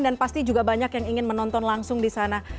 dan pasti juga banyak yang ingin menonton langsung di sana